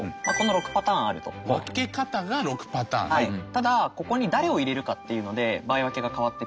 ただここに誰を入れるかっていうので場合分けが変わってくる。